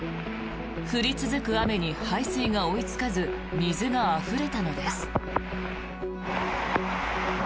降り続く雨に排水が追いつかず水があふれたのです。